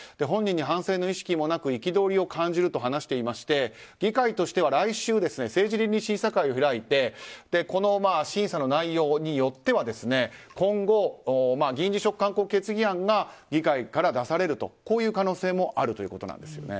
本人に反省の意識もなく憤りを感じると話していて議会としては来週政治倫理審査会を開いて審査の内容によっては今後、議員辞職勧告決議案が議会から出されるという可能性もあるということなんです。